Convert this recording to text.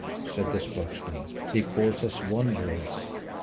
_" said the spokesman, "he calls us wanderers!